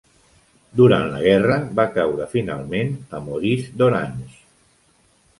Durant la guerra, va caure finalment a Maurice d'Orange.